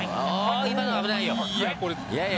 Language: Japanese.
今のは危ないよ。